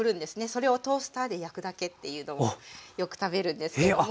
それをトースターで焼くだけっていうのをよく食べるんですけれども。